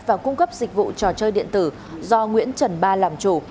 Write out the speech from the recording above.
và cung cấp dịch vụ trò chơi điện tử do nguyễn trần ba làm chủ